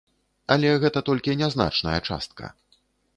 Але гэта толькі нязначная частка.